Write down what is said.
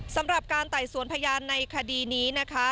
สำหรับการไต่สวนพยานในคดีนี้นะคะ